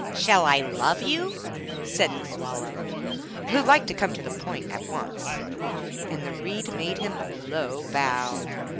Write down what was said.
'Shall I love you said the Swallow', who liked to come to the point at once, and the Reed made him a low bow.